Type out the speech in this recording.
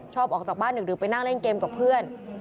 ออกจากบ้านดึกไปนั่งเล่นเกมกับเพื่อน